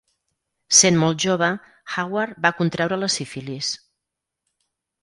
Sent molt jove, Howard va contreure la sífilis.